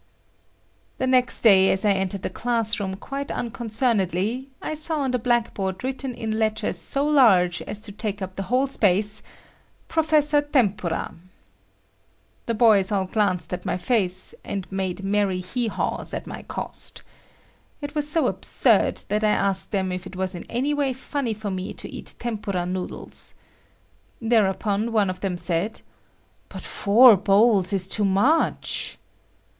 The next day as I entered the class room quite unconcernedly, I saw on the black board written in letters so large as to take up the whole space; "Professor Tempura." The boys all glanced at my face and made merry hee haws at my cost. It was so absurd that I asked them if it was in any way funny for me to eat tempura noodle. Thereupon one of them said,—"But four bowls is too much."